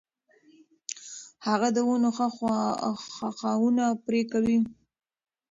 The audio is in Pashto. هغه د ونو ښاخونه نه پرې کوي.